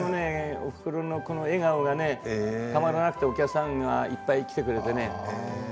おふくろのこの笑顔がたまらなくて、お客さんがいっぱい来てくれてね。